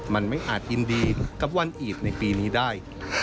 มันไม่อาจยินดีกับวันอีตในปีนี้ได้